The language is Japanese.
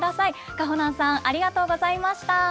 かほなんさん、ありがとうございました。